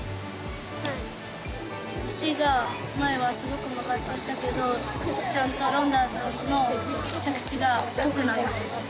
脚が前はすごく曲がっていたけどちゃんとロンダートの着地がぽくなってきた。